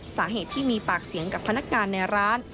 สาเหตุที่มีปากเสียงกับพนักงานในร้าน